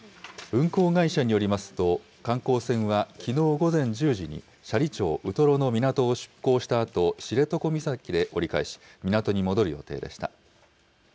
運航会社によりますと、観光船はきのう午前１０時に斜里町ウトロの港を出港したあと、知床岬で折り返し、港に戻る予定でした。